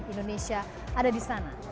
indonesia ada di sana